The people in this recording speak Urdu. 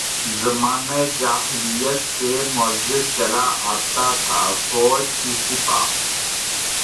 زمانہ جاہلیت سے معزز چلا آتا تھا، فوج کی سپہ